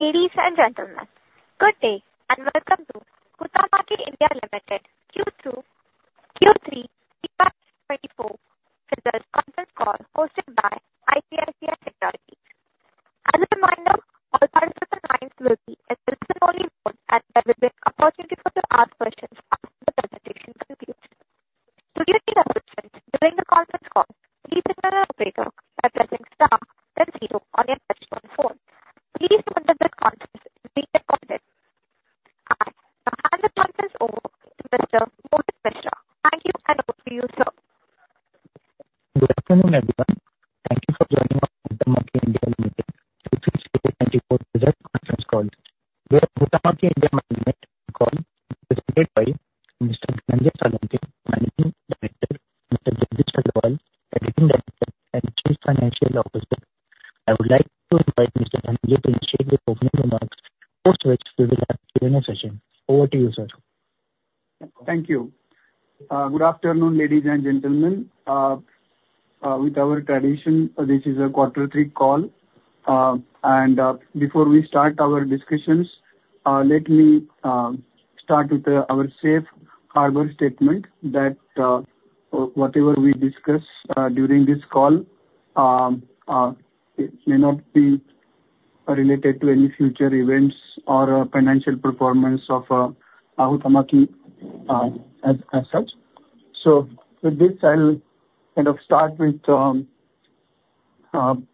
Ladies and gentlemen, good day, and welcome to Huhtamaki India Limited Q2-Q3 2024 results conference call hosted by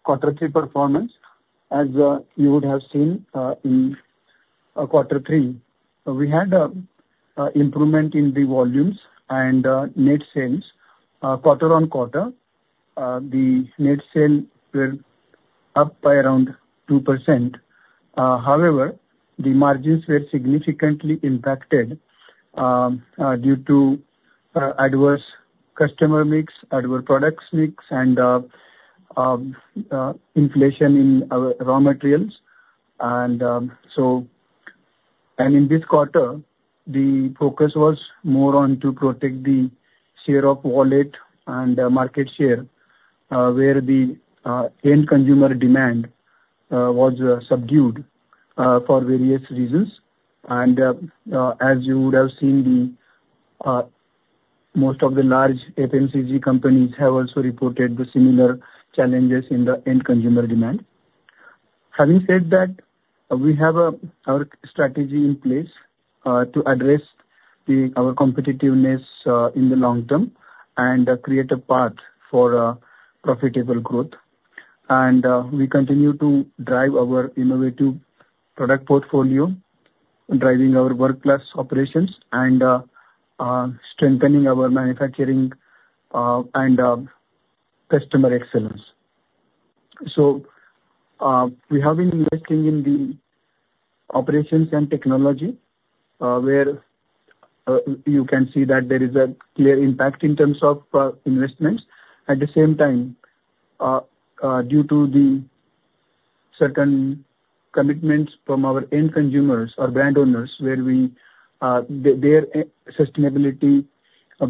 quarter three performance. As you would have seen, in quarter three, we had a improvement in the volumes and net sales. Quarter on quarter, the net sales were up by around 2%. However, the margins were significantly impacted due to adverse customer mix, adverse products mix, and inflation in our raw materials. In this quarter, the focus was more on to protect the share of wallet and market share, where the end consumer demand was subdued for various reasons. As you would have seen, most of the large FMCG companies have also reported the similar challenges in the end consumer demand. Having said that, we have our strategy in place to address our competitiveness in the long term and create a path for profitable growth. We continue to drive our innovative product portfolio, driving our world-class operations and strengthening our manufacturing and customer excellence. We have been investing in the operations and technology, where you can see that there is a clear impact in terms of investments. At the same time, due to the certain commitments from our end consumers or brand owners, where we, their sustainability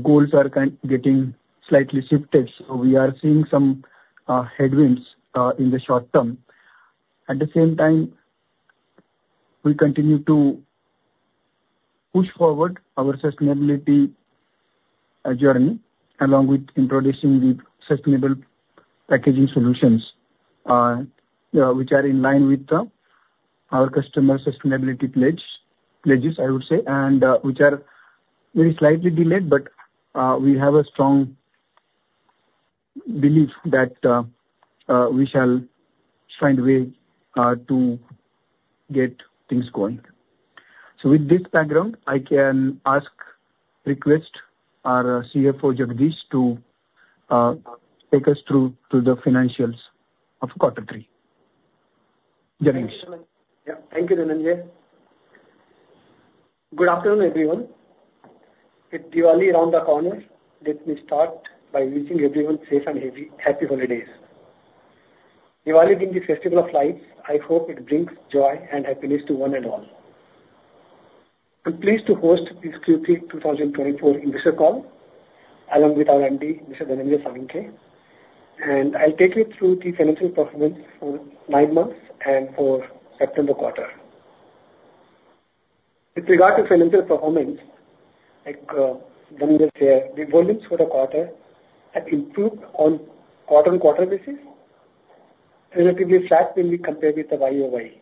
goals are kind of getting slightly shifted, so we are seeing some headwinds in the short term. At the same time, we continue to push forward our sustainability journey, along with introducing the sustainable packaging solutions, which are in line with our customer sustainability pledges, I would say, and which are very slightly delayed, but we have a strong belief that we shall find a way to get things going. So with this background, I can ask, request our CFO, Jagdish, to take us through to the financials of quarter three. Jagdish? Yeah. Thank you, Dhananjay. Good afternoon, everyone. With Diwali around the corner, let me start by wishing everyone safe and happy, happy holidays. Diwali being the festival of lights, I hope it brings joy and happiness to one and all. I'm pleased to host this Q3 2024 Investor Call, along with our MD, Mr. Dhananjay Salunkhe. And I'll take you through the financial performance for nine months and for September quarter. With regard to financial performance, like, Dhananjay said, the volumes for the quarter have improved on quarter-on-quarter basis, relatively flat when we compare with the YOY.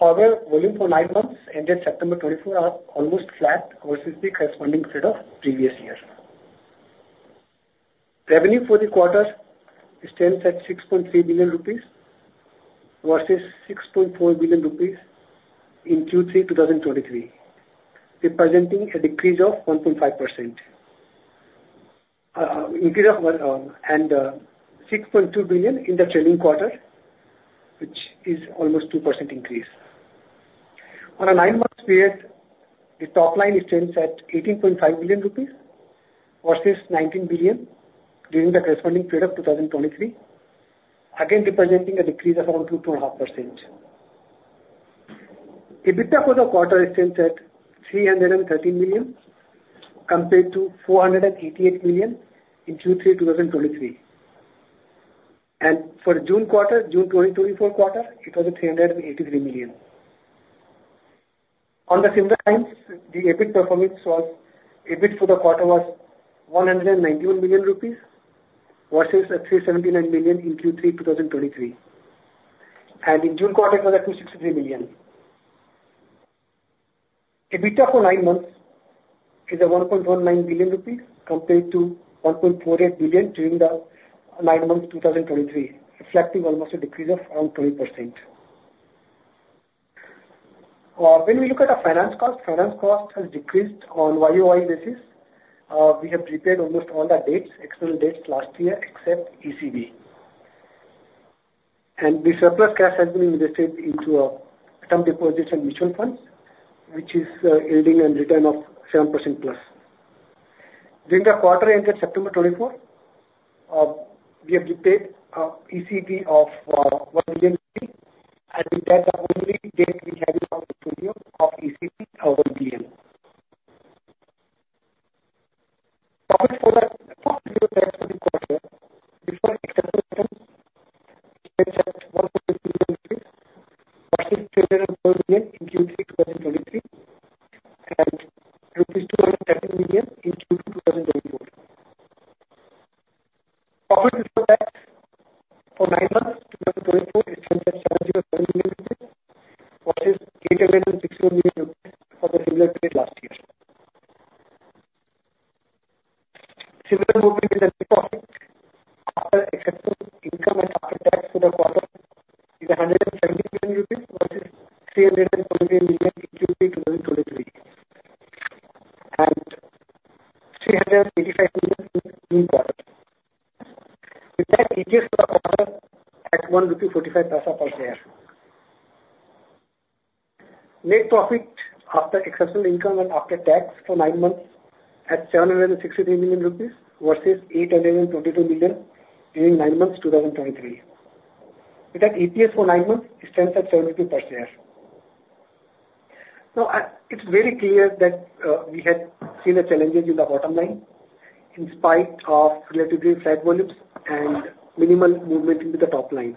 However, volume for nine months ended September 24 are almost flat versus the corresponding quarter of previous year. Revenue for the quarter stands at 6.3 billion rupees versus 6.4 billion rupees in Q3 2023, representing a decrease of 1.5%. Increase of 1.6 billion in the trailing quarter, which is almost 2% increase. On a nine-month period, the top line stands at 18.5 billion rupees versus 19 billion during the corresponding period of 2023, again, representing a decrease of around 2-2.5%. EBITDA for the quarter stands at 313 million, compared to 488 million in Q3 2023. And for June quarter, June 2024 quarter, it was at 383 million. On similar lines, the EBIT performance was, EBIT for the quarter was 191 million rupees, versus 379 million in Q3 2023. And in June quarter, it was at 263 million. EBITDA for nine months is at 1.19 billion rupees, compared to 1.48 billion during the nine months, 2023, reflecting almost a decrease of around 20%. When we look at our finance cost, finance cost has decreased on YOY basis. We have repaid almost all the debts, external debts last year, except ECB. And the surplus cash has been invested into term deposits and mutual funds, which is yielding a return of 7% plus. During the quarter ended September 2024, we have repaid ECB of 1 billion, and that's the only debt we have in our portfolio of ECB over billion. Profit for the quarter before tax for the quarter, before exceptional, stands at INR 1.83 million, versus INR 312 million in Q3 2023, and INR 213 million in June 2024. Profit before tax for nine months, 2024, it stands at 709 million, versus INR 861 million for the similar period last year. Similar movement in the net profit after exceptional income and after tax for the quarter is 170 million rupees versus INR 320 million in Q3 2023, and INR 385 million in June quarter. With that, EPS for the quarter at INR 1.45 per share. Net profit after exceptional income and after tax for nine months at 763 million rupees versus 822 million during nine months 2023. With that, EPS for nine months stands at 7 per share. Now, it's very clear that we have seen the challenges in the bottom line, in spite of relatively flat volumes and minimal movement into the top line.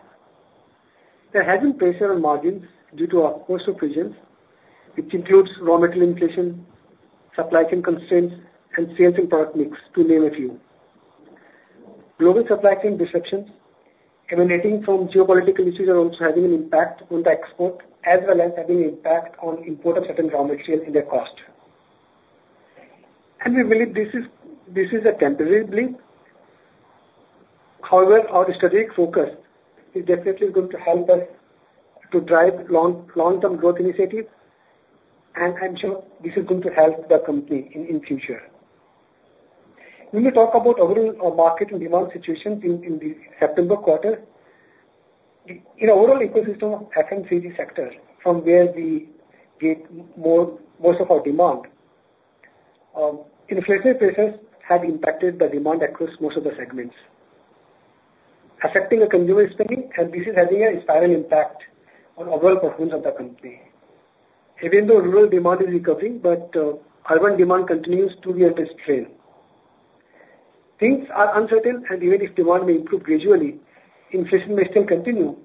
There has been pressure on margins due to our cost of business, which includes raw material inflation, supply chain constraints, and sales and product mix, to name a few. Global supply chain disruptions emanating from geopolitical issues are also having an impact on the export, as well as having an impact on import of certain raw materials and their cost, and we believe this is, this is a temporary blip. However, our strategic focus is definitely going to help us to drive long, long-term growth initiatives, and I'm sure this is going to help the company in future. When we talk about overall market and demand situation in the September quarter, in our overall ecosystem of FMCG sector, from where we get more, most of our demand, inflationary pressures have impacted the demand across most of the segments, affecting the consumer spending, and this is having a spiral impact on overall performance of the company. Even though rural demand is recovering, but urban demand continues to be under strain. Things are uncertain, and even if demand may improve gradually, inflation may still continue.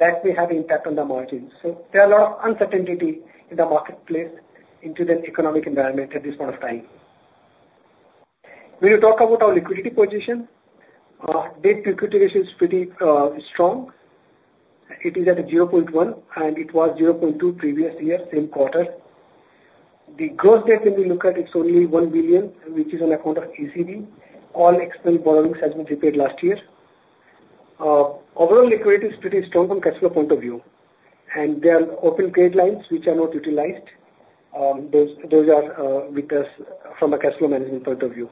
That may have impact on the margins. So there are a lot of uncertainty in the marketplace in the economic environment at this point of time. When you talk about our liquidity position, debt to equity ratio is pretty strong. It is at a zero point one, and it was zero point two previous year, same quarter. The gross debt, when we look at, it's only 1 billion, which is on account of ECB. All external borrowings has been repaid last year. Overall liquidity is pretty strong from cash flow point of view, and there are open credit lines which are not utilized. Those are with us from a cash flow management point of view.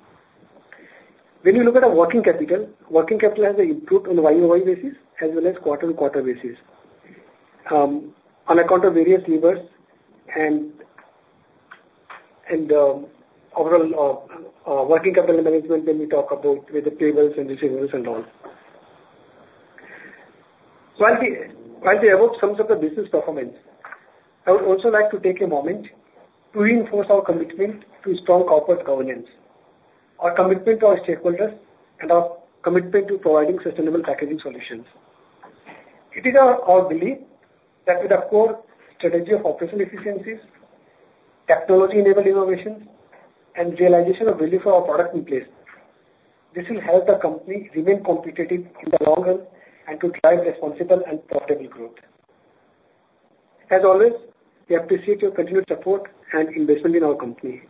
When you look at our working capital, working capital has improved on YOY basis as well as quarter-on-quarter basis. On account of various levers and overall working capital management, when we talk about with the payables and receivables and all. While we evolve some of the business performance, I would also like to take a moment to reinforce our commitment to strong corporate governance, our commitment to our stakeholders, and our commitment to providing sustainable packaging solutions. It is our belief that with our core strategy of operational efficiencies, technology-enabled innovations, and realization of value for our product in place, this will help the company remain competitive in the long run and to drive responsible and profitable growth. As always, we appreciate your continued support and investment in our company.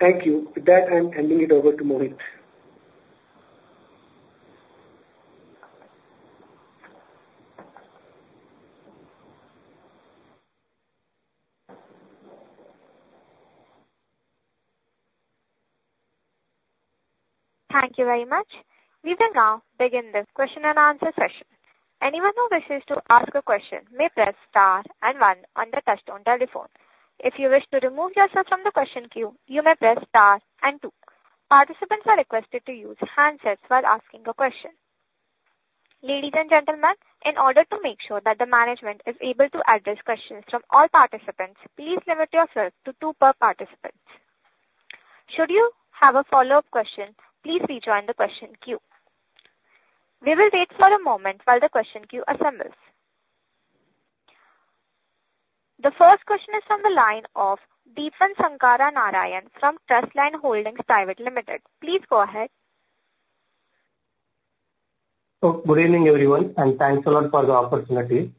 Thank you. With that, I'm handing it over to Mohit. Thank you very much. We will now begin the question and answer session. Anyone who wishes to ask a question may press star and one on their touchtone telephone. If you wish to remove yourself from the question queue, you may press star and two. Participants are requested to use handsets while asking a question. Ladies and gentlemen, in order to make sure that the management is able to address questions from all participants, please limit yourself to two per participant. Should you have a follow-up question, please rejoin the question queue. We will wait for a moment while the question queue assembles. The first question is from the line of Deepan Sankara Narayanan from Trustline Holdings Private Limited. Please go ahead. Oh, good evening, everyone, and thanks a lot for the opportunity.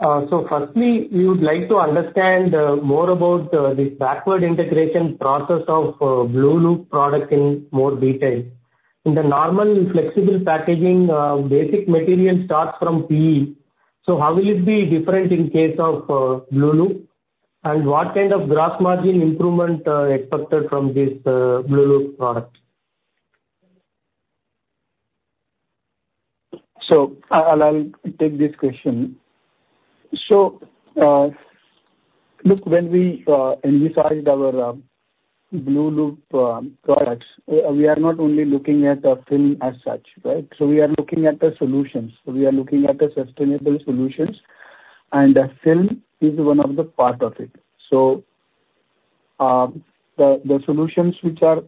So firstly, we would like to understand more about this backward integration process of Blueloop product in more detail. In the normal flexible packaging, basic material starts from PE, so how will it be different in case of Blueloop? And what kind of gross margin improvement expected from this Blueloop product? I'll take this question. Look, when we envisaged our Blueloop products, we are not only looking at the film as such, right? We are looking at the solutions. We are looking at the sustainable solutions, and the film is one of the part of it. The solutions which are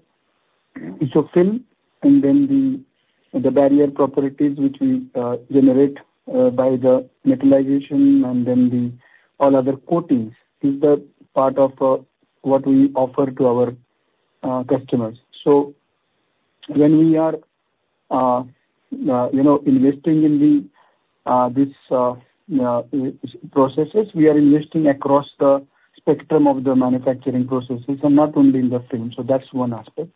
so film, and then the barrier properties which we generate by the metallization, and then the all other coatings, is the part of what we offer to our customers. When we are you know investing in this processes, we are investing across the spectrum of the manufacturing processes and not only in the film. That's one aspect.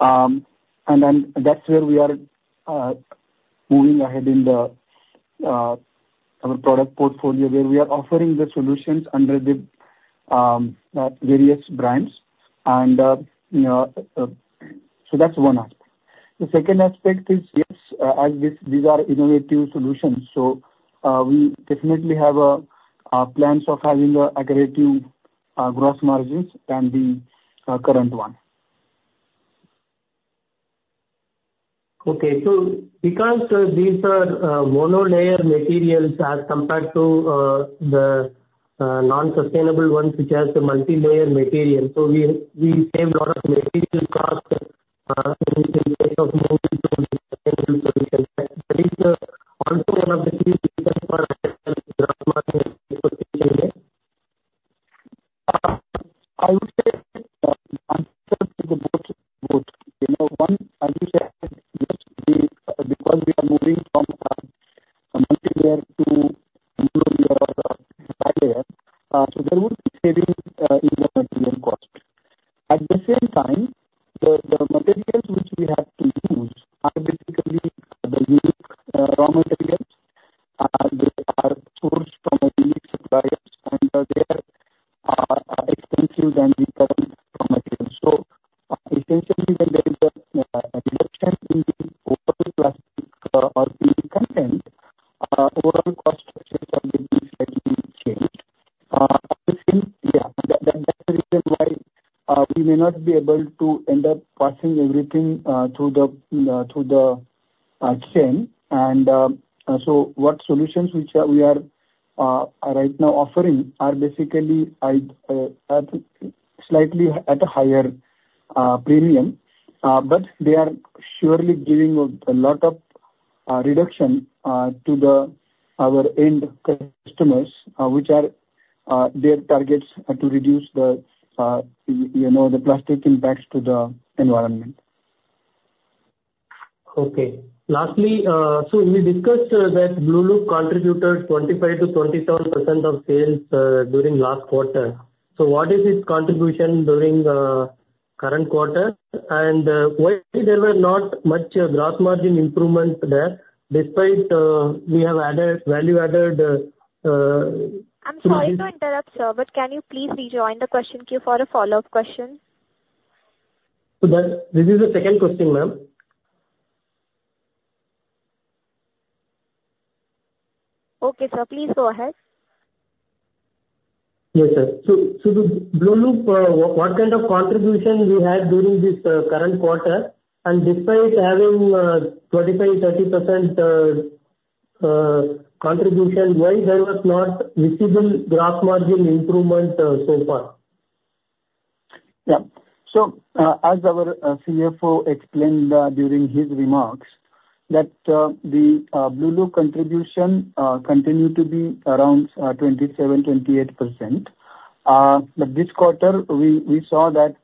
And then that's where we are moving ahead in the our product portfolio, where we are offering the solutions under the various brands, and you know. So that's one aspect. The second aspect is, yes, as these are innovative solutions, so we definitely have a plans of having a aggressive gross margins than the current one. Okay. So because these are monolayer materials as compared to the non-sustainable ones, which has the multilayer material, so we save a lot of material cost in the case of Blueloop. I would say, answer to both. You know, one, as you said, yes, because we are moving from a multilayer to mono barrier, so there would be saving in the material cost. At the same time, the materials which we have to use are basically the unique raw materials, they are sourced from the unique suppliers, and they are expensive than the current raw materials. So essentially, when there is a reduction in the overall plastic or the content, overall cost structure are going to be slightly changed. Yeah, that's the reason why we may not be able to end up passing everything through the chain. What solutions which we are right now offering are basically at a slightly higher premium, but they are surely giving a lot of reduction to our end customers, which are their targets are to reduce the, you know, the plastic impacts to the environment. Okay. Lastly, so we discussed that Blueloop contributed 25%-27% of sales during last quarter. So what is its contribution during the current quarter? And why there were not much gross margin improvement there, despite we have added value-added I'm sorry to interrupt, sir, but can you please rejoin the question queue for a follow-up question? So that, this is the second question, ma'am. Okay, sir. Please go ahead. Yes, sir. So the Blueloop, what kind of contribution we had during this current quarter? And despite having 25-30% contribution, why there was not visible gross margin improvement so far? Yeah. So, as our CFO explained during his remarks, that the Blueloop contribution continued to be around 27-28%. But this quarter, we saw that,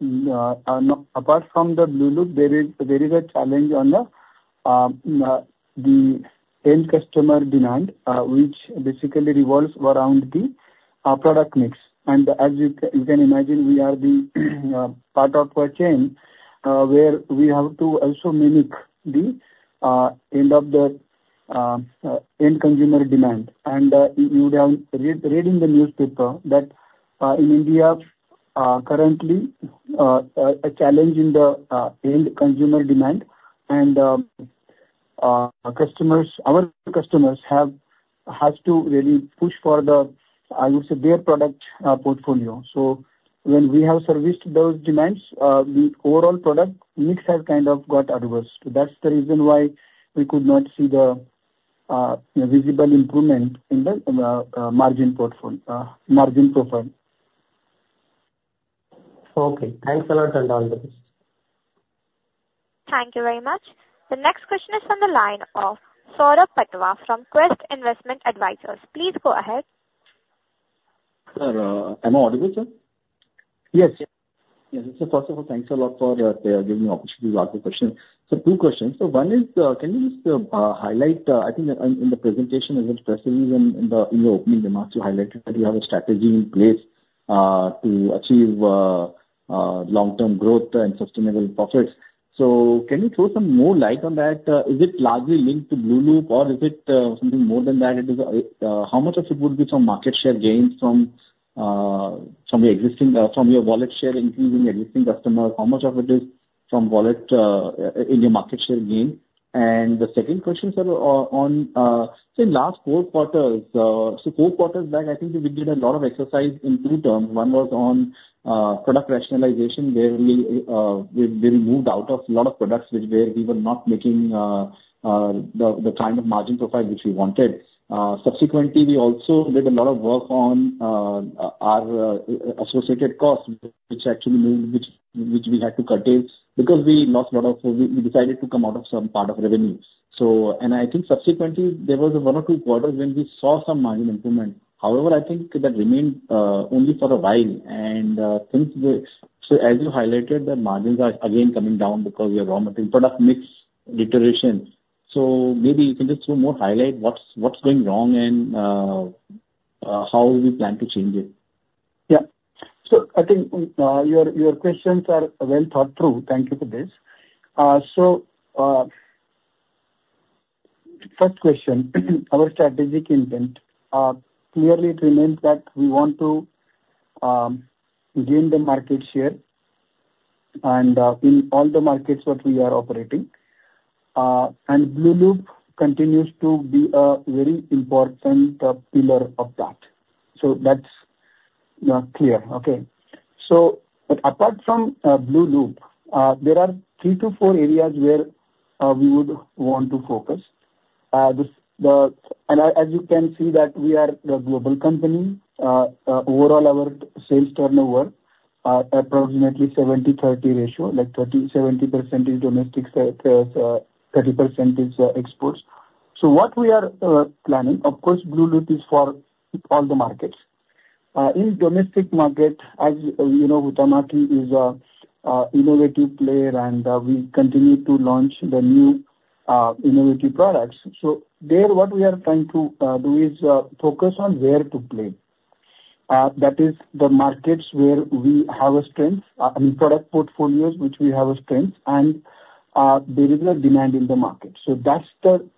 no, apart from the Blueloop, there is a challenge on the end customer demand, which basically revolves around the product mix. And as you can imagine, we are the part of a chain, where we have to also mimic the end consumer demand. And you would have read in the newspaper that in India currently a challenge in the end consumer demand and our customers have to really push for the, I would say, their product portfolio. So when we have serviced those demands, the overall product mix has kind of got adverse. So that's the reason why we could not see the visible improvement in the margin profile. Okay. Thanks a lot, and all the best. Thank you very much. The next question is from the line of Saurabh Patwa from Quest Investment Advisors. Please go ahead. Sir, am I audible, sir? Yes, yes. Yes, so first of all, thanks a lot for giving me opportunity to ask the question. So two questions. So one is, can you just highlight, I think in the presentation, as well as especially when in your opening remarks, you highlighted that you have a strategy in place to achieve long-term growth and sustainable profits. So can you throw some more light on that? Is it largely linked to Blueloop, or is it something more than that? It is, how much of it would be from market share gains from your existing from your wallet share, increasing existing customers? How much of it is from wallet in your market share gain? The second question, sir, on, say, last four quarters, so four quarters back, I think we did a lot of exercise in two terms. One was on product rationalization, where we moved out of a lot of products which were, we were not making the kind of margin profile which we wanted. Subsequently, we also did a lot of work on our associated costs, which actually means we had to curtail because we decided to come out of some part of revenue. I think subsequently, there was one or two quarters when we saw some margin improvement. However, I think that remained only for a while, and since so as you highlighted, the margins are again coming down because we are in product mix deterioration. So maybe you can just throw more highlight what's going wrong and how we plan to change it. Yeah. So I think, your questions are well thought through. Thank you for this. So, first question. Our strategic intent, clearly it remains that we want to, gain the market share, and, in all the markets that we are operating. And Blueloop continues to be a very important, pillar of that. So that's, clear, okay? So but apart from, Blueloop, there are three to four areas where, we would want to focus. And as, you can see that we are a global company, overall our sales turnover are approximately 70/30 ratio, like 30%, 70% is domestic, 30% is, exports. So what we are, planning, of course, Blueloop is for all the markets. In domestic market, as you know, Huhtamaki is a innovative player, and we continue to launch the new innovative products so there, what we are trying to do is focus on where to play. That is the markets where we have a strength, I mean, product portfolios which we have a strength, and there is a demand in the market. That's the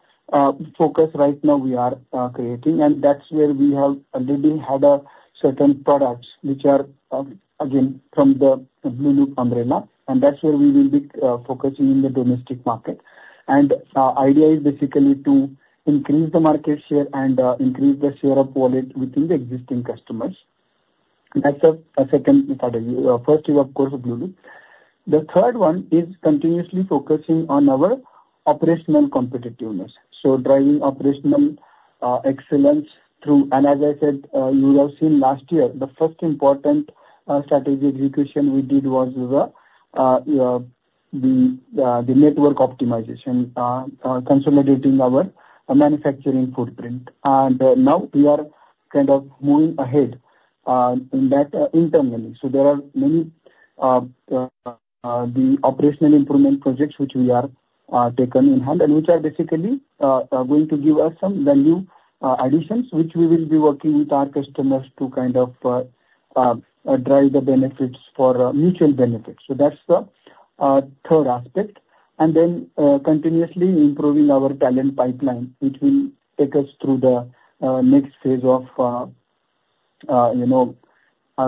focus right now we are creating, and that's where we have already had a certain products which are again from the Blueloop umbrella, and that's where we will be focusing in the domestic market and idea is basically to increase the market share and increase the share of wallet within the existing customers. That's a second advantage. First is, of course, Blueloop. The third one is continuously focusing on our operational competitiveness, so driving operational excellence through... And as I said, you have seen last year, the first important strategic execution we did was the network optimization, consolidating our manufacturing footprint. And now we are kind of moving ahead in that internally. So there are many the operational improvement projects, which we are taken in hand and which are basically going to give us some value additions, which we will be working with our customers to kind of drive the benefits for mutual benefits. So that's the third aspect. And then continuously improving our talent pipeline, which will take us through the next phase of you know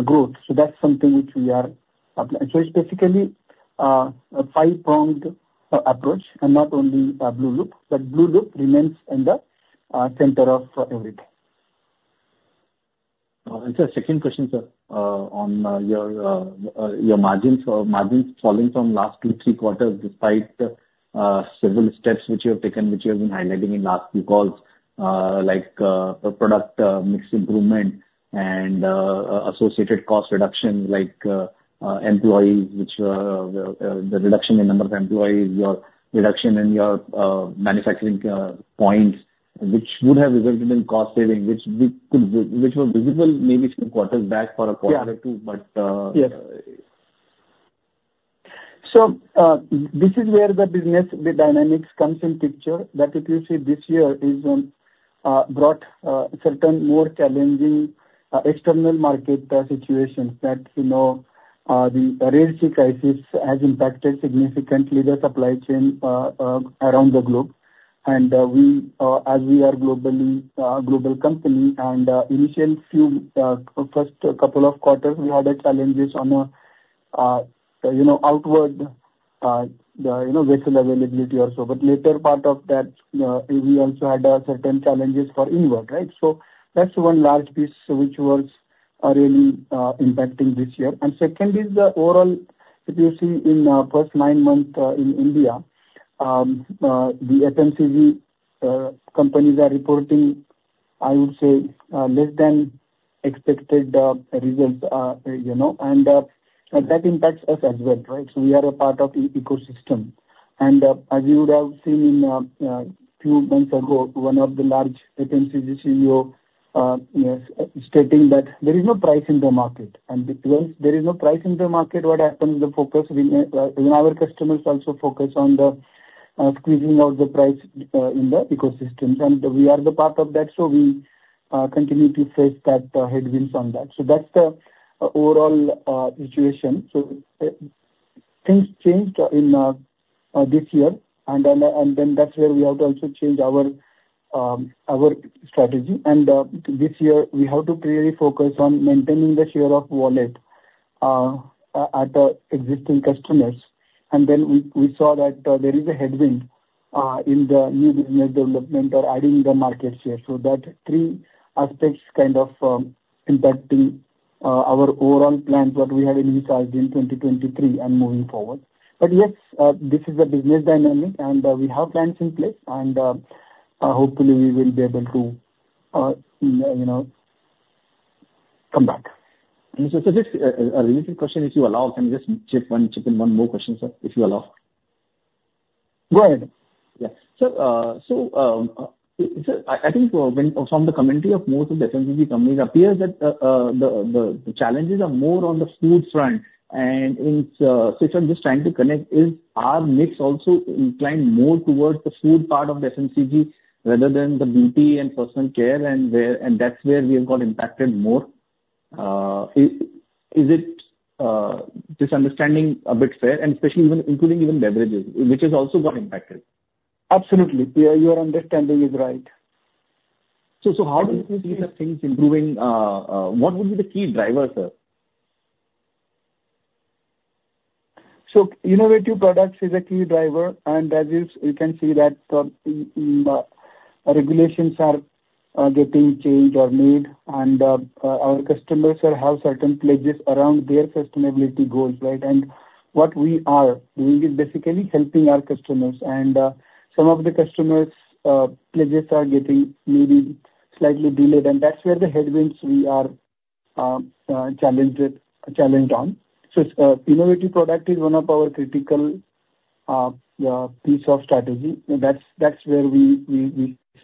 growth. So that's something which we are applying. So it's basically, a five-pronged, approach and not only, Blueloop, but Blueloop remains in the, center of everything. And sir, second question, sir. On your margins. Margins falling from last two, three quarters, despite several steps which you have taken, which you have been highlighting in last few calls, like the product mix improvement and associated cost reduction, like the reduction in number of employees, your reduction in your manufacturing points, which would have resulted in cost saving, which were visible maybe two quarters back for a quarter or two- Yeah. But, uh- Yes. So, this is where the business, the dynamics comes in picture, that if you see this year is, brought, certain more challenging, external market, situations that, you know, the Red Sea crisis has impacted significantly the supply chain, around the globe. And, we, as we are globally, a global company, and, initial few, first couple of quarters, we had a challenges on outward, you know, the vessel availability or so. But later part of that, we also had, certain challenges for inward, right? So that's one large piece which was, really, impacting this year. And second is the overall, if you see in first nine months in India, the FMCG companies are reporting, I would say, less than expected results, you know, and that impacts us as well, right? So we are a part of ecosystem. And as you would have seen in few months ago, one of the large FMCG CEO you know stating that there is no price in the market, and because there is no price in the market, what happens the focus we when our customers also focus on the squeezing out the price in the ecosystems, and we are the part of that, so we continue to face that headwinds on that. So that's the overall situation. Things changed in this year, and then that's where we have to also change our strategy. This year, we have to clearly focus on maintaining the share of wallet at the existing customers. Then we saw that there is a headwind in the new business development or adding the market share. That three aspects kind of impacting our overall plans that we had envisaged in 2023 and moving forward. But yes, this is a business dynamic, and we have plans in place, and hopefully we will be able to you know come back. Just a related question, if you allow. Can I just chip in one more question, sir, if you allow? Go ahead. Yeah. So, sir, I think when from the community of most of the FMCG companies it appears that the challenges are more on the food front. And it's so I'm just trying to connect, is our mix also inclined more towards the food part of the FMCG rather than the beauty and personal care, and that's where we have got impacted more? Is it this understanding a bit fair and especially including beverages, which has also got impacted? Absolutely. Yeah, your understanding is right. So, so how do you see the things improving? What would be the key driver, sir? So innovative products is a key driver, and as you can see that regulations are getting changed or made, and our customers will have certain pledges around their sustainability goals, right? And what we are doing is basically helping our customers, and some of the customers' pledges are getting maybe slightly delayed, and that's where the headwinds we are challenged on. So innovative product is one of our critical piece of strategy.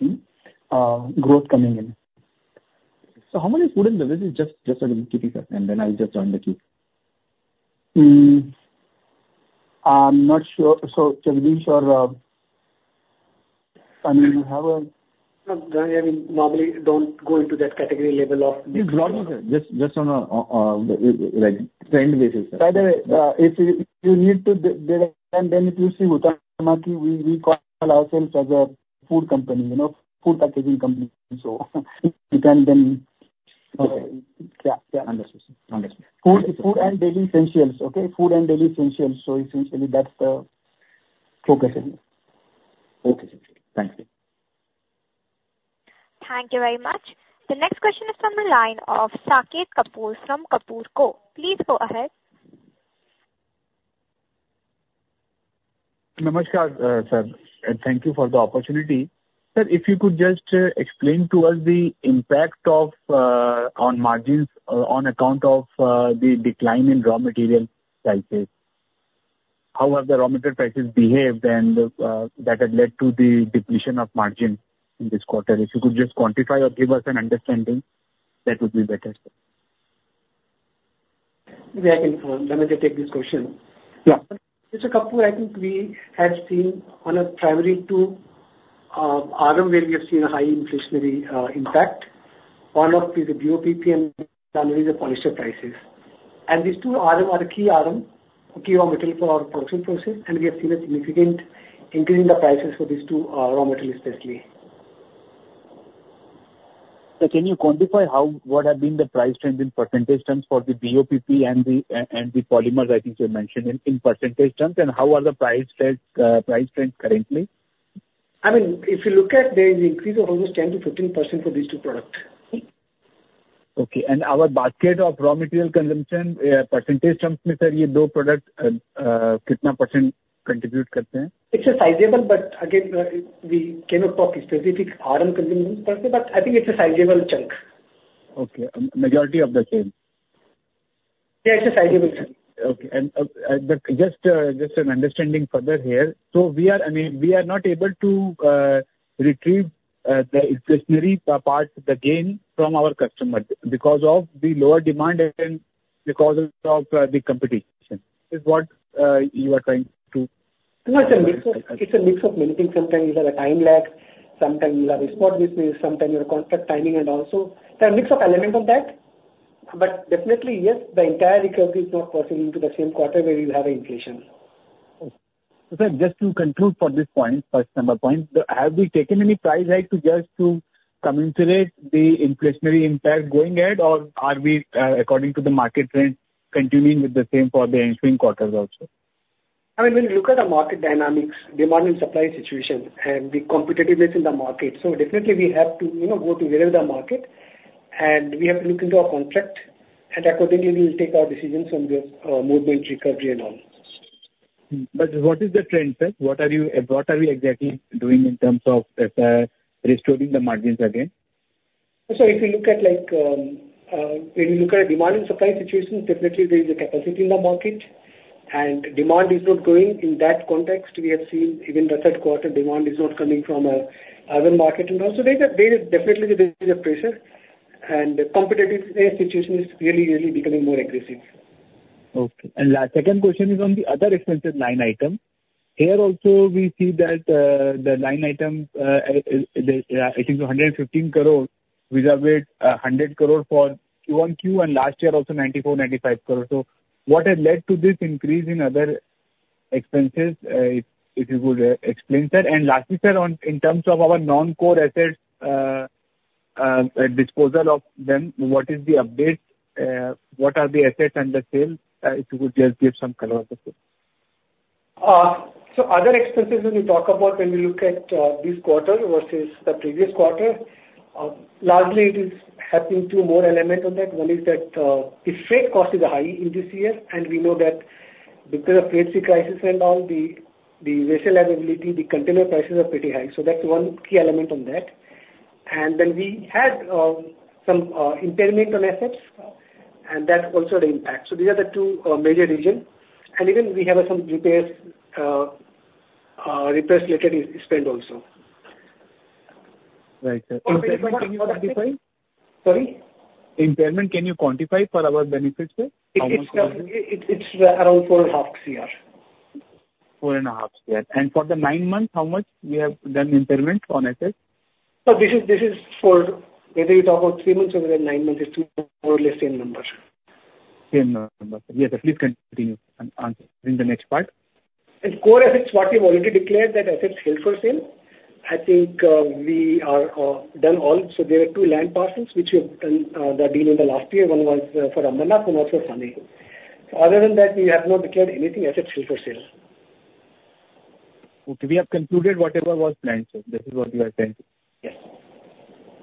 That's where we see growth coming in. How many food and beverages? Just a little typical, and then I'll just join the queue. I'm not sure. So to be sure, I mean, we have No, I mean, normally don't go into that category level of-... Just, just on a, like, trend basis. By the way, if you need to do, then if you see Huhtamaki, we call ourselves as a food company, you know, food packaging company. So you can then, Yeah, understand. Understand. Food, food and daily essentials, okay? Food and daily essentials. So essentially, that's the focus in it. Okay, thank you. Thank you very much. The next question is from the line of Saket Kapoor from Kapoor & Co. Please go ahead. Namaskar, sir, and thank you for the opportunity. Sir, if you could just explain to us the impact of on margins on account of the decline in raw material prices. How have the raw material prices behaved, and that had led to the depletion of margin in this quarter? If you could just quantify or give us an understanding, that would be better. Yeah, I can, let me take this question. Yeah. Mr. Kapoor, I think we have seen on a primary two, item where we have seen a high inflationary impact. One of the BOPP and one is the polyester prices. And these two item are key item, key raw material for our production process, and we have seen a significant increase in the prices for these two, raw materials especially. Can you quantify how, what have been the price trend in percentage terms for the BOPP and the polymers? I think you mentioned in percentage terms, and how are the price trends currently? I mean, if you look at the increase of almost 10%-15% for these two products. Okay. And our basket of raw material consumption, percentage terms, sir, how much % contribute? It's a sizable, but again, we cannot talk specifically item consumption, but I think it's a sizable chunk. Okay, majority of the same. Yeah, it's a sizable chunk. Okay, and, but just, just an understanding further here. So we are, I mean, we are not able to retrieve the inflationary part, the gain from our customers because of the lower demand and because of the competition, is what you are trying to- No, it's a mix of, it's a mix of many things. Sometimes you have a time lag, sometimes you have a spot basis, sometimes you have contract timing and also there are mix of element of that. But definitely, yes, the entire recovery is not passing into the same quarter where you have an inflation. So just to conclude for this point, first number point, have we taken any price hike to just to commensurate the inflationary impact going ahead? Or are we, according to the market trend, continuing with the same for the ensuing quarters also? I mean, when you look at the market dynamics, demand and supply situation and the competitiveness in the market, so definitely we have to, you know, go to wherever the market, and we have to look into our contract, and accordingly, we'll take our decisions on the movement, recovery and all. But what is the trend, sir? What are you, what are we exactly doing in terms of, restoring the margins again? So if you look at like, when you look at demand and supply situation, definitely there is a capacity in the market and demand is not growing. In that context, we have seen even the third quarter demand is not coming from other market. And also there is definitely a pressure, and the competitive situation is really, really becoming more aggressive. Okay. And second question is on the other expenses line item. Here also we see that, the line item, it, I think 115 crore, which are with, 100 crore for Q on Q, and last year also 94-95 crore. So what has led to this increase in other expenses? If you could explain that. And lastly, sir, on in terms of our non-core assets, disposal of them, what is the update? What are the assets under sale? If you could just give some color of the sale. So other expenses when we talk about when we look at this quarter versus the previous quarter, largely it is happening to more element of that. One is that the freight cost is high in this year, and we know that because of trade crisis and all, the vessel availability, the container prices are pretty high. So that's one key element on that. And then we had some impairment on assets, and that's also the impact. So these are the two major reason. And even we have some repairs, repairs related expense also. Right, sir. Sorry? Impairment, can you quantify for our benefit, sir? How much- It's around 4.5 CR. Four and a half, yeah. For the nine months, how much we have done impairment on assets? So this is for whether you talk about three months or whether nine months. It's more or less same number. Same number. Yes, please continue and, and in the next part. In non-core assets, what we've already declared as assets for sale, I think we are done with all. So there are two land parcels which we have done the deal in the last year. One was for Ambernath and also Silvassa. So other than that, we have not declared anything as assets for sale. Okay, we have concluded whatever was planned, sir. This is what you are saying? Yes.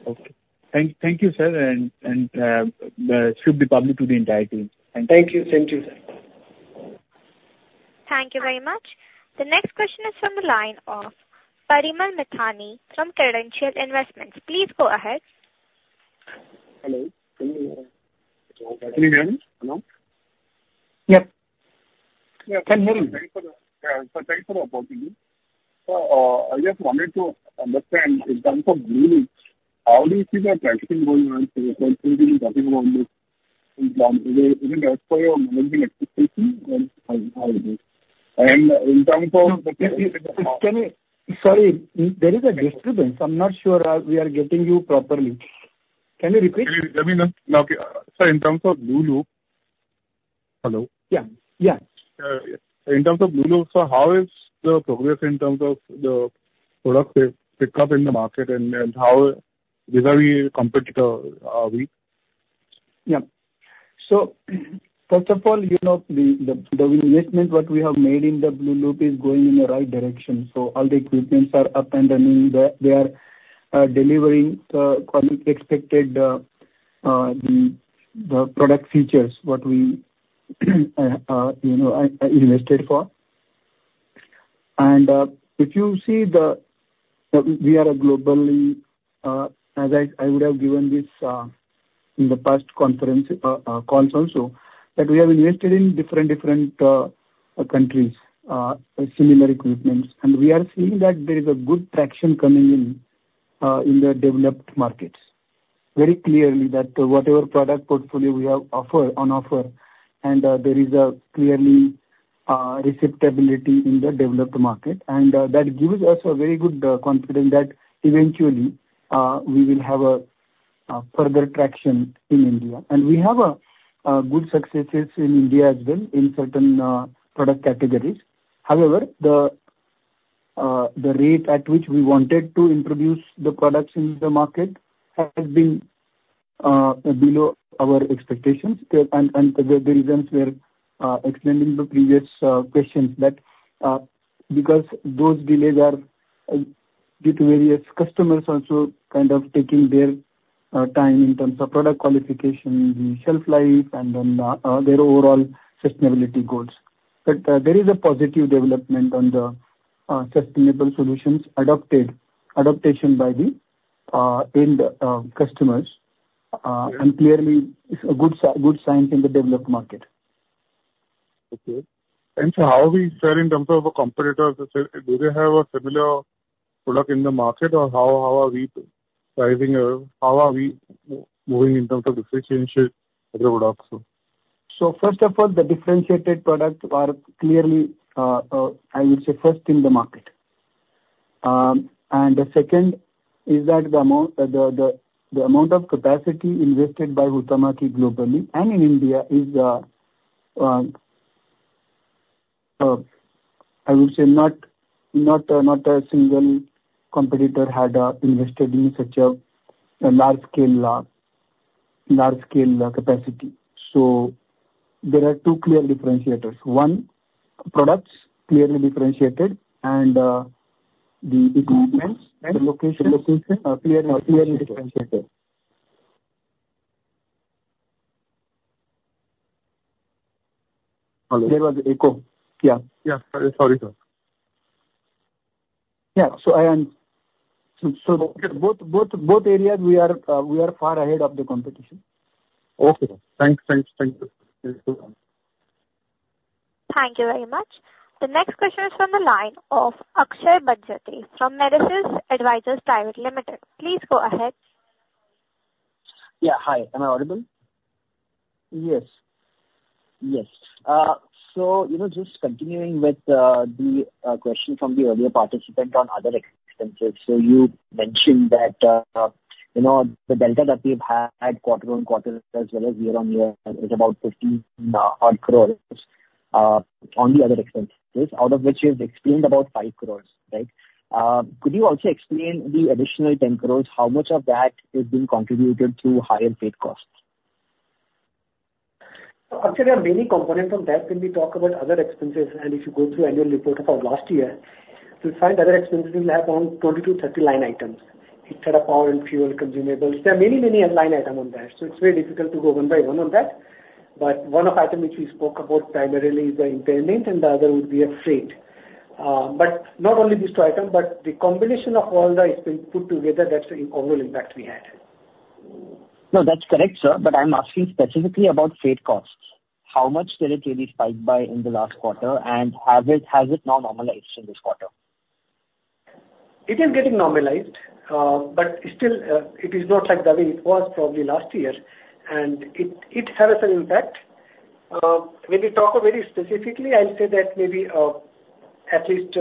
Okay. Thank you, sir, and should be public to the entire team. Thank you. Thank you. Thank you, sir. Thank you very much. The next question is from the line of Parimal Mithani from Credential Investments. Please go ahead. Hello? Can you hear me, hello? Yep. Yeah, thanks for the opportunity. So, I just wanted to understand in terms of Blueloop, how do you see the pricing going on? So talking about this, is it as per your monthly expectation, and how is it? And in terms of the- Can you... Sorry, there is a disturbance. I'm not sure, we are getting you properly. Can you repeat? Let me know. Okay, sir, in terms of Blueloop... Hello. Yeah. Yeah. In terms of Blueloop, sir, how is the progress in terms of the product pickup in the market, and how is, are we competitive, are we? Yeah. So first of all, you know, the investment what we have made in the Blueloop is going in the right direction, so all the equipment is up and running. They are delivering quite expected the product features what we you know I invested for, and if you see, we are globally, as I would have given this in the past conference calls also, that we have invested in different countries similar equipment, and we are seeing that there is a good traction coming in the developed markets. Very clearly, that whatever product portfolio we have on offer, and there is clear acceptability in the developed market, and that gives us a very good confidence that eventually we will have a further traction in India. And we have a good successes in India as well in certain product categories. However, the rate at which we wanted to introduce the products in the market has been below our expectations. And the reasons we are explaining the previous questions, that because those delays are due to various customers also kind of taking their time in terms of product qualification, the shelf life, and then their overall sustainability goals. But there is a positive development on the sustainable solutions adopted, adaptation by the end customers. And clearly, it's a good sign in the developed market. Okay. So how are we, sir, in terms of a competitor? Do they have a similar product in the market, or how are we pricing our... How are we moving in terms of differentiated products? So first of all, the differentiated products are clearly, I would say, first in the market. And the second is that the amount of capacity invested by Huhtamaki globally and in India is, I would say, not a single competitor had invested in such a large scale capacity. So there are two clear differentiators. One, products clearly differentiated, and the equipments and location are clearly differentiated. There was an echo. Yeah. Yeah. Sorry, sorry, sir. Yeah, so both areas we are far ahead of the competition. Okay. Thanks, thanks, thank you. Thank you very much. The next question is from the line of Akshay Bajaj from Medasis Advisors Private Limited. Please go ahead. Yeah, hi. Am I audible? Yes. Yes. So, you know, just continuing with the question from the earlier participant on other expenses. So you mentioned that, you know, the delta that we've had quarter on quarter, as well as year on year, is about 50 odd crores on the other expenses, out of which you've explained about 5 crores, right? Could you also explain the additional 10 crores, how much of that is being contributed through higher paid costs? Actually, there are many components of that when we talk about other expenses, and if you go through annual report of our last year, you'll find other expenses will have around 20-30 line items. It had a power and fuel consumables. There are many, many line item on that, so it's very difficult to go one by one on that. But one of item which we spoke about primarily is the impairment, and the other would be a freight. But not only these two items, but the combination of all that has been put together, that's the overall impact we had. No, that's correct, sir, but I'm asking specifically about freight costs. How much did it really spike by in the last quarter, and has it now normalized in this quarter? It is getting normalized, but still, it is not like the way it was probably last year, and it has an impact. When we talk very specifically, I'll say that maybe at least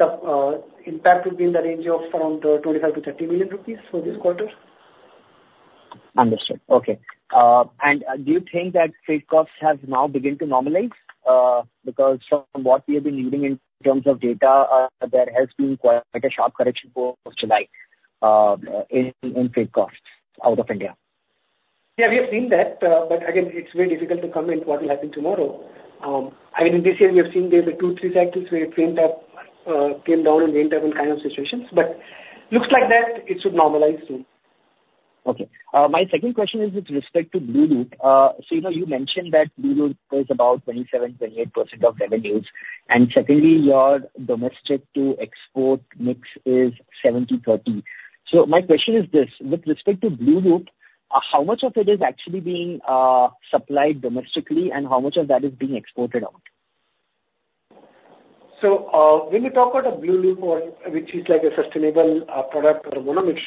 the impact will be in the range of around 25 million-30 million rupees for this quarter. Understood. Okay, and do you think that freight costs have now begun to normalize? Because from what we have been reading in terms of data, there has been quite a sharp correction for July, in freight costs out of India. Yeah, we have seen that, but again, it's very difficult to comment what will happen tomorrow. I mean, this year we have seen there were two, three cycles where freight came down and freight up kind of situations, but looks like that it should normalize soon. Okay. My second question is with respect to Blueloop. So you know, you mentioned that Blueloop is about 27%-28% of revenues, and secondly, your domestic to export mix is 70/30. So my question is this: with respect to Blueloop, how much of it is actually being supplied domestically, and how much of that is being exported out? When we talk about a Blueloop or which is like a sustainable, product or monomix,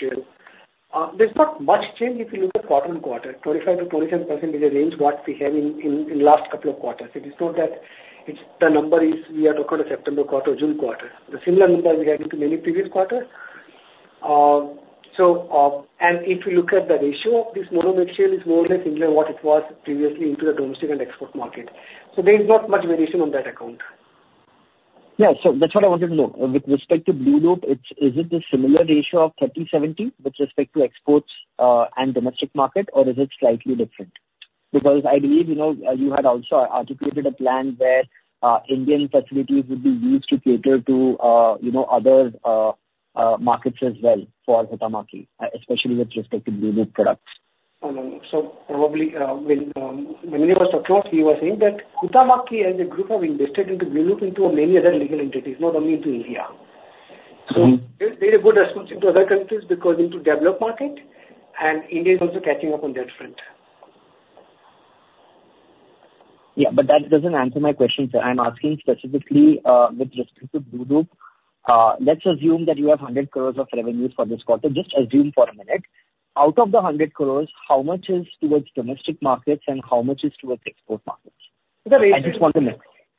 there's not much change if you look at quarter on quarter. 25%-27% is a range what we have in last couple of quarters. It is not that it's the number is we are talking of September quarter, June quarter. The similar numbers we had into many previous quarters. And if you look at the ratio of this monomix share is more or less similar what it was previously into the domestic and export market, so there is not much variation on that account. Yeah, so that's what I wanted to know. With respect to Blueloop, it's... Is it a similar ratio of 30/70 with respect to exports, and domestic market, or is it slightly different? Because I believe, you know, you had also articulated a plan where, Indian facilities would be used to cater to, you know, other, markets as well for Huhtamaki, especially with respect to Blueloop products. So probably, when we were secure, he was saying that Huhtamaki as a group have invested into Blueloop, into many other legal entities, not only into India. Mm-hmm. So, there's a good response in other countries because in developed markets, and India is also catching up on that front. Yeah, but that doesn't answer my question, sir. I'm asking specifically with respect to Blueloop. Let's assume that you have hundred crores of revenues for this quarter. Just assume for a minute. Out of the hundred crores, how much is towards domestic markets and how much is towards export markets? I just want the mix.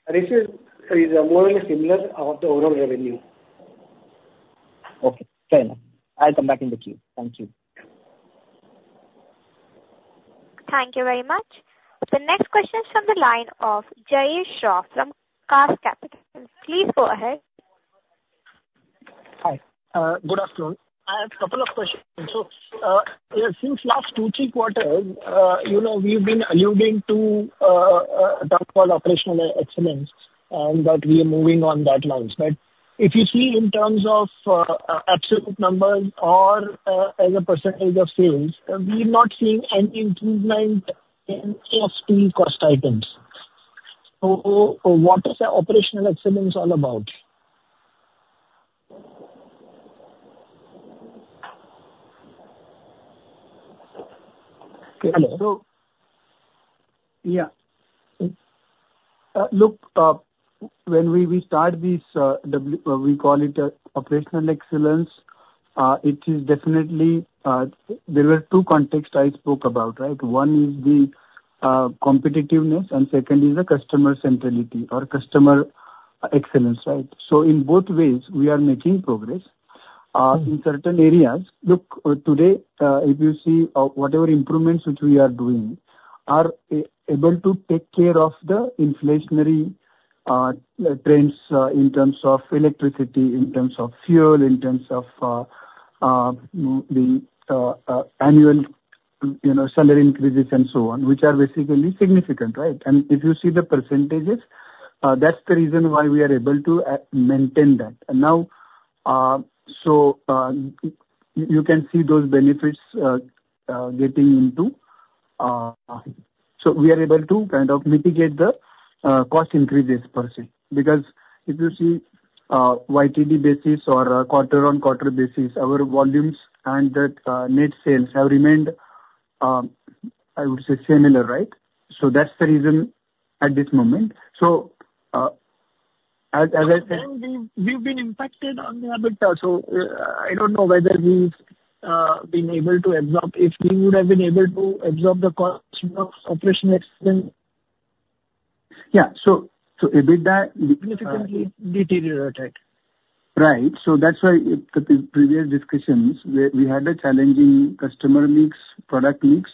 Ratio is, sorry, more or less similar to the overall revenue. Okay, fair enough. I'll come back into queue. Thank you. Thank you very much. The next question is from the line of Jay Shah from Castle Capital. Please go ahead. Hi, good afternoon. I have a couple of questions. So, since last two, three quarters, you know, we've been alluding to, term called operational excellence, and that we are moving on that lines. But if you see in terms of, absolute numbers or, as a percentage of sales, we're not seeing any improvement in any of three cost items. So, what is the operational excellence all about? So, yeah. Look, when we start this, we call it operational excellence. It is definitely there were two contexts I spoke about, right? One is the competitiveness, and second is the customer centrality or customer excellence, right? So in both ways, we are making progress in certain areas. Look, today, if you see, whatever improvements which we are doing are able to take care of the inflationary trends in terms of electricity, in terms of fuel, in terms of the annual, you know, salary increases and so on, which are basically significant, right? And if you see the percentages, that's the reason why we are able to maintain that. Now, so you can see those benefits getting into. We are able to kind of mitigate the cost increases per se. Because if you see, YTD basis or quarter on quarter basis, our volumes and that, net sales have remained, I would say similar, right? So that's the reason at this moment. So, as I said. We've been impacted on the EBITDA, so I don't know whether we've been able to absorb. If we would have been able to absorb the cost of operational excellence. Yeah, so EBITDA- Significantly deteriorated. Right. That's why in the previous discussions, we had a challenging customer mix, product mix,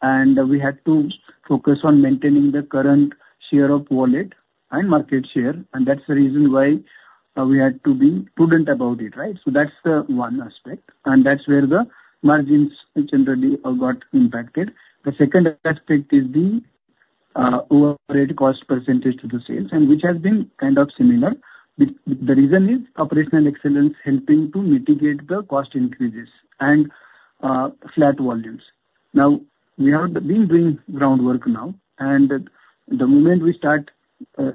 and we had to focus on maintaining the current share of wallet and market share, and that's the reason why we had to be prudent about it, right? That's the one aspect, and that's where the margins generally got impacted. The second aspect is the overhead cost percentage to the sales, and which has been kind of similar. The reason is operational excellence helping to mitigate the cost increases and flat volumes. Now, we have been doing groundwork, and the moment we start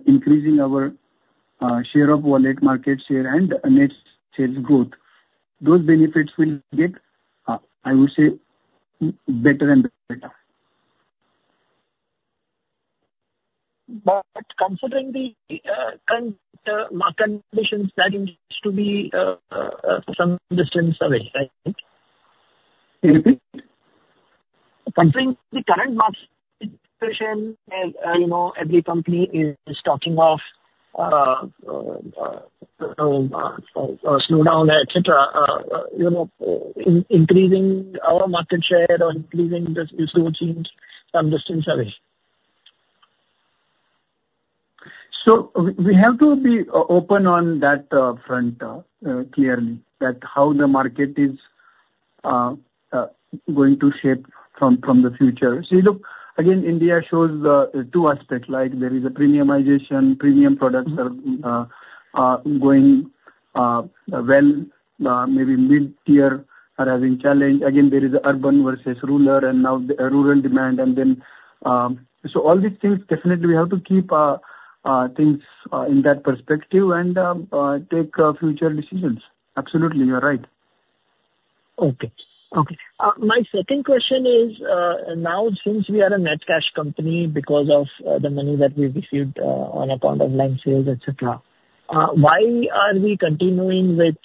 increasing our share of wallet, market share and net sales growth, those benefits will get, I would say, better and better. But considering the current market conditions, that needs to be some distance away, right? Can you repeat? Considering the current market situation, you know, every company is talking of a slowdown, et cetera, you know, increasing our market share or increasing the. So we have to be open on that front, clearly that how the market is going to shape from the future. See, look, again, India shows two aspects, like there is a premiumization, premium products are going well, maybe mid-tier are having challenge. Again, there is urban versus rural, and now the rural demand. And then, so all these things, definitely we have to keep things in that perspective and take future decisions. Absolutely, you are right. Okay. My second question is, now since we are a net cash company because of the money that we've received on account of land sales, et cetera, why are we continuing with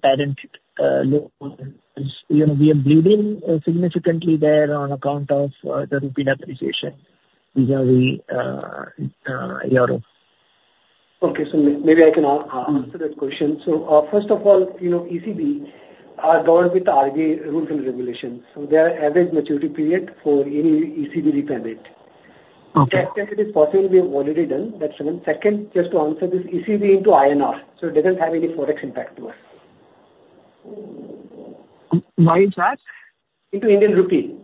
parent loans? You know, we are bleeding significantly there on account of the rupee depreciation vis-a-vis Euro. Okay, so maybe I can answer that question. So, first of all, you know, ECB, are governed with the RBI rules and regulations, so there are average maturity period for any ECB repayment. Okay. Secondly, it is possible we have already done that. Second, just to answer this, ECB into INR, so it doesn't have any Forex impact to us. Why is that? Into Indian rupee.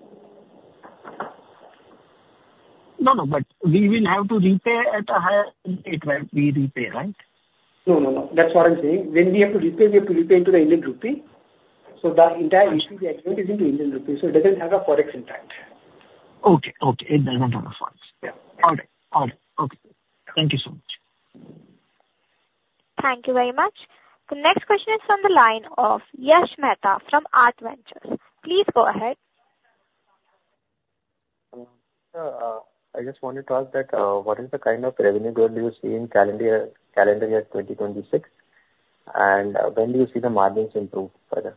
No, no, but we will have to repay at a higher rate when we repay, right? No, no, no. That's what I'm saying. When we have to repay, we have to repay into the Indian rupee. So the entire issue we admit is into Indian rupee, so it doesn't have a Forex impact. Okay, okay. It doesn't have a Forex. Yeah. All right. All right. Okay. Thank you so much. Thank you very much. The next question is from the line of Yash Mehta from Art Ventures. Please go ahead. I just wanted to ask that, what is the kind of revenue growth you see in calendar year, calendar year 2026? And, when do you see the margins improve further?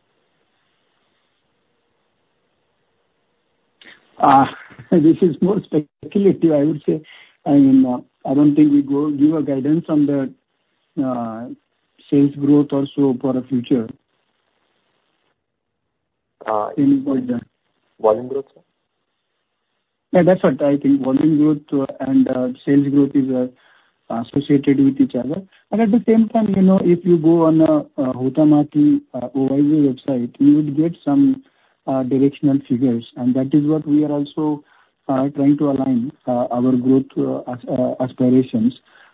This is more speculative, I would say. I mean, I don't think we go give a guidance on the sales growth or so for the future. Any point there. Volume growth, sir? Yeah, that's what I think. Volume growth and sales growth is associated with each other. But at the same time, you know, if you go on the Huhtamaki website, you would get some directional figures, and that is what we are also trying to align our growth aspirations.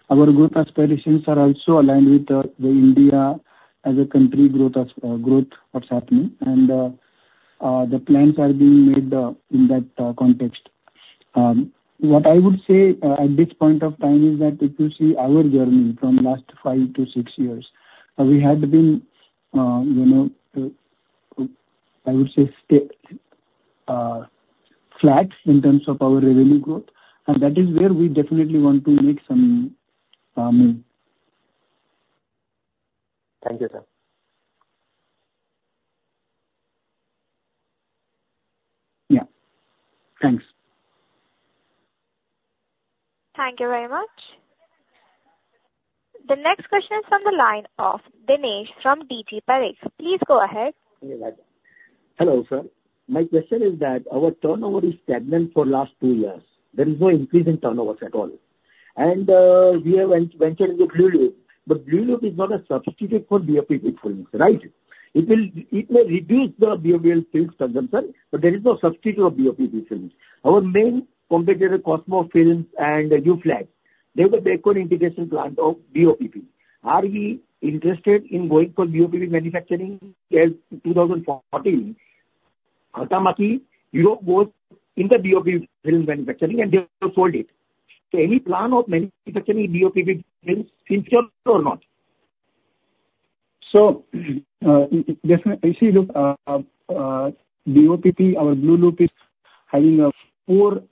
Our growth aspirations are also aligned with the India as a country growth as growth, what's happening. The plans are being made in that context. What I would say at this point of time is that if you see our journey from last five to six years, we had been, you know, I would say flat in terms of our revenue growth, and that is where we definitely want to make some move. Thank you, sir. Yeah. Thanks. Thank you very much. The next question is from the line of Dinesh from D.T. Parekh. Please go ahead. Hello, sir. My question is that our turnover is stagnant for last two years. There is no increase in turnovers at all. And we have mentioned the Blueloop, but Blueloop is not a substitute for BOPP films, right? It will reduce the BOPP films consumption, but there is no substitute of BOPP films. Our main competitor, Cosmo Films and Uflex, they have a backward integration plant of BOPP. Are we interested in going for BOPP manufacturing? As in two thousand and fourteen, ultimately, you go in the BOPP film manufacturing and they have sold it. So any plan of manufacturing BOPP films in future or not? So, definitely, you see, the BOPP, our Blueloop is having four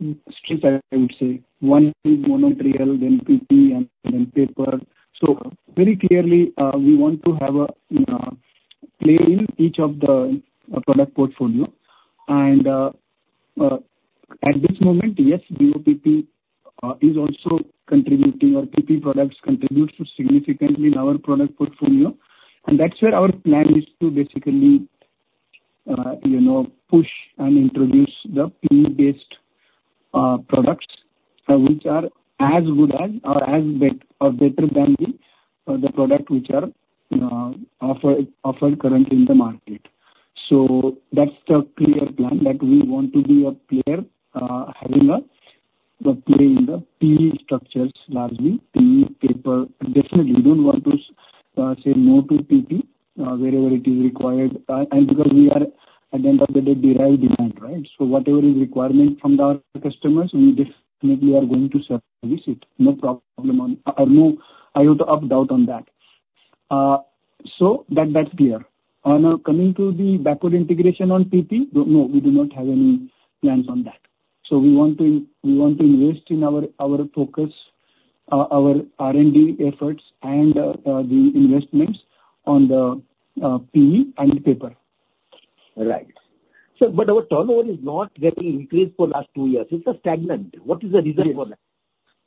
strengths, I would say. One is monomaterial, then PP, and then paper. So very clearly, we want to have a play in each of the product portfolio. And, at this moment, yes, BOPP is also contributing or PP products contributes significantly in our product portfolio. And that's where our plan is to basically, you know, push and introduce the PE-based products, which are as good as or better than the product which are offered currently in the market. So that's the clear plan, that we want to be a player, having a play in the PE structures, largely. PE, paper, definitely, we don't want to say no to PP, wherever it is required. And because we are, at the end of the day, derived demand, right? So whatever is requirement from our customers, we definitely are going to service it. No problem on that. No iota of doubt on that. So that's clear. Now coming to the backward integration on PP, no, we do not have any plans on that. So we want to invest in our focus, our R&D efforts and the investments on the PE and the paper. Right. So but our turnover is not getting increased for last two years. It's stagnant. What is the reason for that?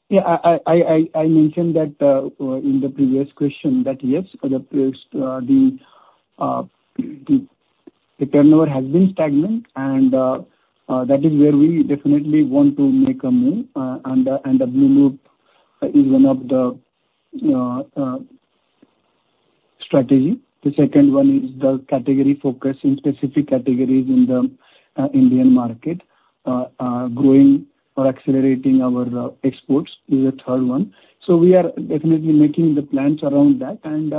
Yeah. I mentioned that in the previous question that, yes, the turnover has been stagnant, and that is where we definitely want to make a move. And the Blueloop is one of the strategy. The second one is the category focus in specific categories in the Indian market. Growing or accelerating our exports is the third one. So we are definitely making the plans around that. And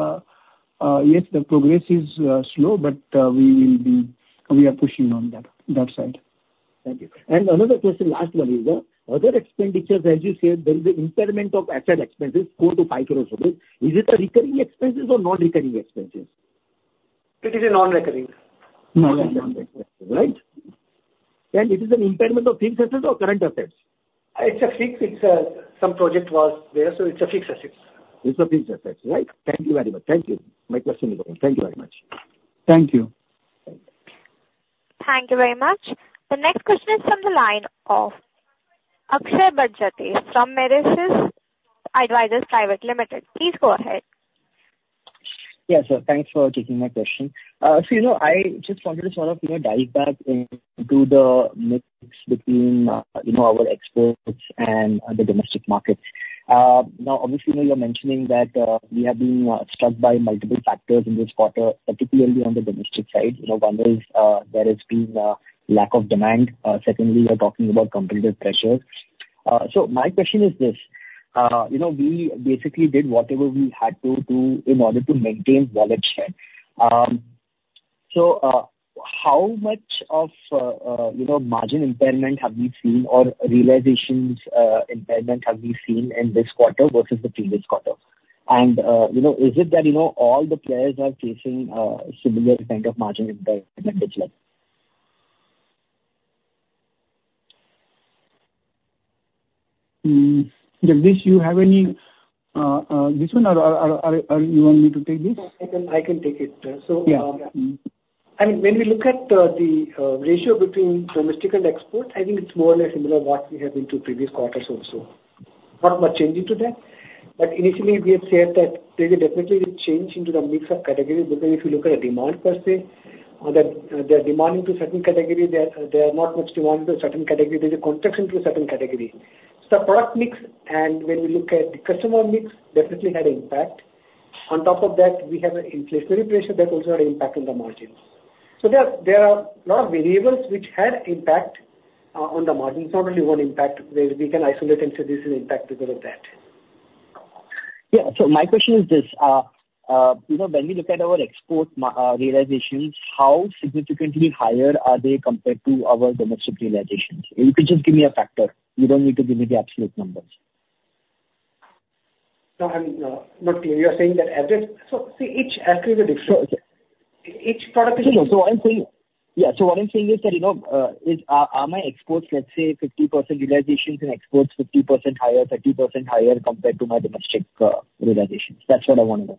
yes, the progress is slow, but we will be. We are pushing on that side. Thank you, and another question, the last one is the other expenditures, as you said, there is an impairment of asset expenses, 4-5 crore rupees. Is it a recurring expenses or non-recurring expenses? It is a non-recurring. Non-recurring, right, and it is an impairment of fixed assets or current assets? It's a fixed. It's, some project was there, so it's fixed assets. It's a fixed assets, right? Thank you very much. Thank you. My question is over. Thank you very much. Thank you. Thank you. Thank you very much. The next question is from the line of Akshay Bajaj from Medasis Advisors Private Limited. Please go ahead. Yeah, sir, thanks for taking my question. So, you know, I just wanted to sort of, you know, dive back into the mix between, you know, our exports and the domestic market. Now, obviously, you know, you're mentioning that we have been struck by multiple factors in this quarter, particularly on the domestic side. You know, one is, there has been a lack of demand. Secondly, you're talking about competitive pressures. So my question is this, you know, we basically did whatever we had to do in order to maintain wallet share. So, how much of, you know, margin impairment have we seen or realizations impairment have we seen in this quarter versus the previous quarter? You know, is it that, you know, all the players are facing a similar kind of margin impairment as well? Jagdish, you have any this one or you want me to take this? I can take it. So Yeah. I mean, when we look at the ratio between domestic and export, I think it's more or less similar to what we have in two previous quarters also. Not much changing to that. But initially, we had said that there is definitely a change in the mix of categories, because if you look at the demand per se, the demand in certain category, there are not much demand in certain category. There's a contraction in a certain category. So the product mix, and when we look at the customer mix, definitely had impact. On top of that, we have an inflationary pressure that also had impact on the margins. So there are a lot of variables which had impact on the margin, not only one impact, where we can isolate and say this is impact because of that. Yeah. So my question is this, you know, when we look at our export realizations, how significantly higher are they compared to our domestic realizations? You could just give me a factor. You don't need to give me the absolute numbers. No, I'm not clear. You're saying that average-- So, see, each category is different. So- Each product is- No, no. So what I'm saying... Yeah, so what I'm saying is that, you know, are my exports, let's say, 50% utilizations and exports 50% higher, 30% higher compared to my domestic realizations? That's what I want to know.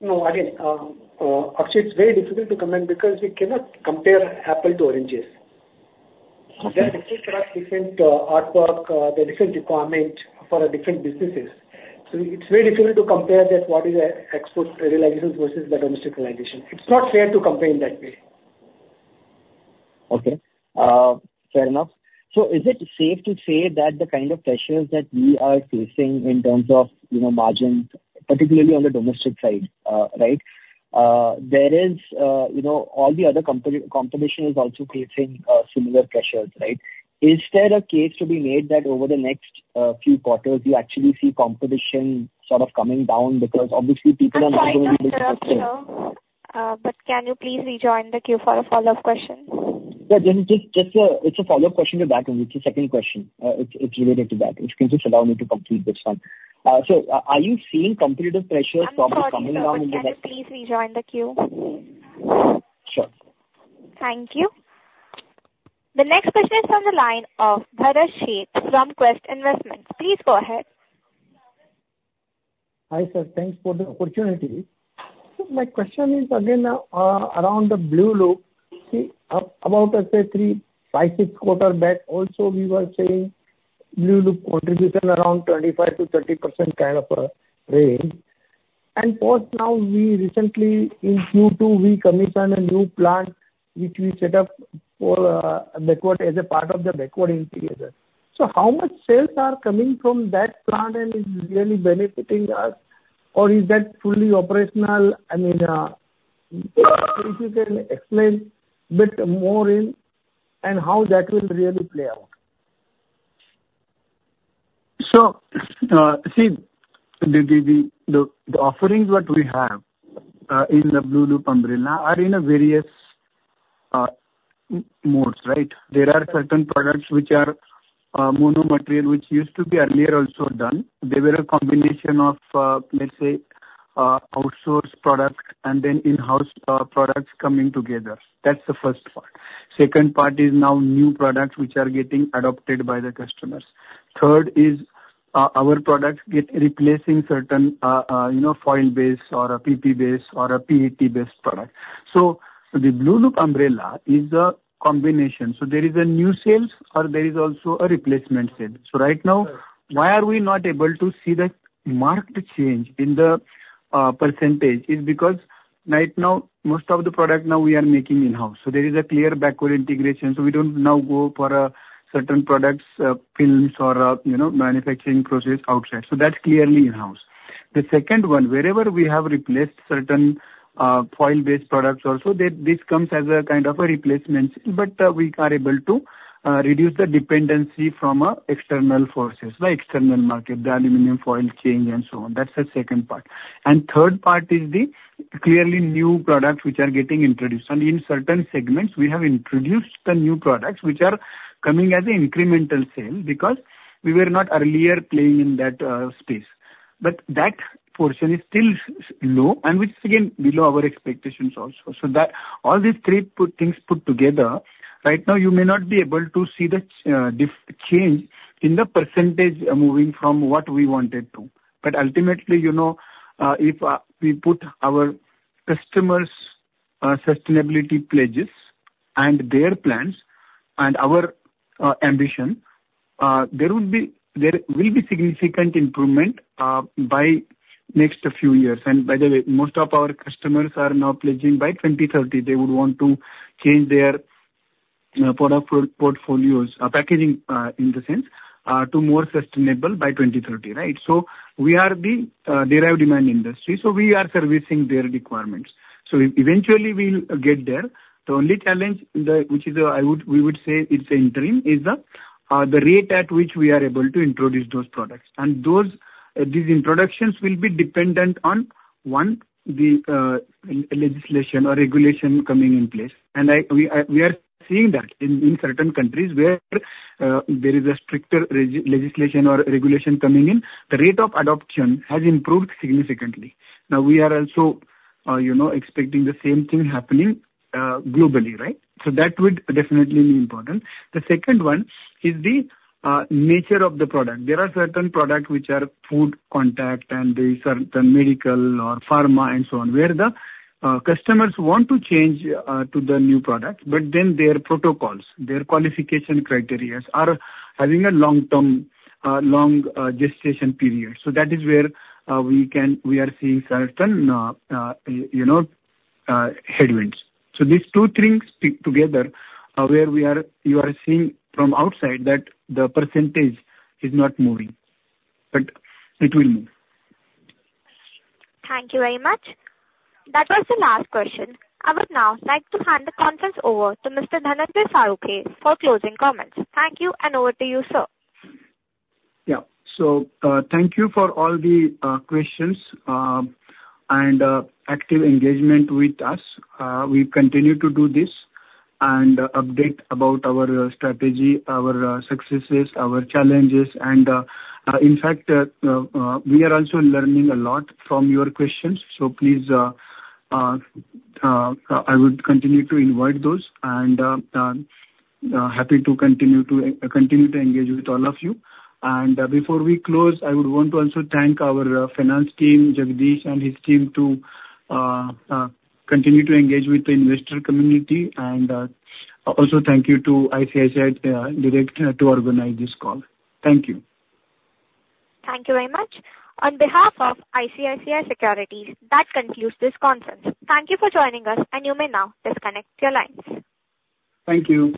No, again, actually, it's very difficult to comment because we cannot compare apples to oranges. Okay. There are different artwork requirements for our different businesses. So it's very difficult to compare that, what is the export realization versus the domestic realization. It's not fair to compare in that way. Okay. Fair enough. So is it safe to say that the kind of pressures that we are facing in terms of, you know, margins, particularly on the domestic side, right, there is, you know, all the other competition is also facing similar pressures, right? Is there a case to be made that over the next few quarters, we actually see competition sort of coming down? Because obviously people are not going to be- I'm sorry, sir, but can you please rejoin the queue for a follow-up question? Yeah, just, it's a follow-up question to that one. It's a second question. It's related to that. If you can just allow me to complete this one. So are you seeing competitive pressures coming down in the- I'm sorry, sir. Can you please rejoin the queue? Sure. Thank you. The next question is from the line of Bharat Sheth from Quest Investment Advisors. Please go ahead. Hi, sir. Thanks for the opportunity. My question is again around the Blueloop. See, about, let's say, three, five, six quarters back, also we were saying Blueloop contribution around 25%-30% kind of a range. And for now, we recently in Q2, we commissioned a new plant, which we set up for backward as a part of the backward integration. So how much sales are coming from that plant and is really benefiting us? Or is that fully operational? I mean, if you can explain a bit more, and how that will really play out. So, see, the offerings what we have in the Blueloop umbrella are in various modes, right? There are certain products which are mono-material, which used to be earlier also done. They were a combination of, let's say, outsourced products and then in-house products coming together. That's the first part. Second part is now new products which are getting adopted by the customers. Third is, our products get replacing certain, you know, foil-based or a PP-based or a PET-based product. So the Blueloop umbrella is a combination. So there is a new sales or there is also a replacement sale. So right now- Sure. Why are we not able to see the marked change in the percentage is because right now, most of the product now we are making in-house, so there is a clear backward integration, so we don't now go for certain products, films or, you know, manufacturing process outside. So that's clearly in-house. The second one, wherever we have replaced certain foil-based products also, this comes as a kind of a replacement, but we are able to reduce the dependency from external forces, the external market, the aluminum foil chain and so on. That's the second part. And third part is the clearly new products which are getting introduced. And in certain segments, we have introduced the new products, which are coming as an incremental sale, because we were not earlier playing in that space. But that portion is still low and which is again below our expectations also. So that, all these three things put together, right now you may not be able to see the change in the percentage moving from what we want it to. But ultimately, you know, if we put our customers' sustainability pledges and their plans and our ambition, there would be... there will be significant improvement by next few years. And by the way, most of our customers are now pledging by twenty thirty, they would want to change their product portfolios, packaging, in the sense, to more sustainable by twenty-thirty, right? So we are the derived demand industry, so we are servicing their requirements. So eventually, we'll get there. The only challenge, which is, we would say it's an interim, is the rate at which we are able to introduce those products. And those, these introductions will be dependent on, one, the legislation or regulation coming in place. And we are seeing that in certain countries where there is a stricter legislation or regulation coming in, the rate of adoption has improved significantly. Now, we are also, you know, expecting the same thing happening globally, right? So that would definitely be important. The second one is the nature of the product. There are certain products which are food contact and the certain medical or pharma and so on, where the customers want to change to the new product, but then their protocols, their qualification criteria, are having a long-term, long gestation period. So that is where we can, we are seeing certain, you know, headwinds. So these two things put together, where we are, you are seeing from outside that the percentage is not moving, but it will move. Thank you very much. That was the last question. I would now like to hand the conference over to Mr. Dhananjay Salunkhe for closing comments. Thank you, and over to you, sir. Yeah. So, thank you for all the questions, and active engagement with us. We continue to do this and update about our strategy, our successes, our challenges, and in fact, we are also learning a lot from your questions. So please, I would continue to invite those and happy to continue to engage with all of you. And, before we close, I would want to also thank our finance team, Jagdish and his team, to continue to engage with the investor community, and also thank you to ICICI Securities to organize this call. Thank you. Thank you very much. On behalf of ICICI Securities, that concludes this conference. Thank you for joining us, and you may now disconnect your lines. Thank you.